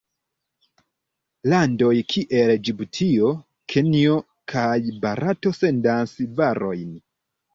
Landoj kiel Ĝibutio, Kenjo kaj Barato sendas varojn.